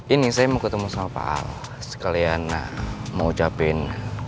ini saya mau ketemu sama pak al sekalian mau ucapin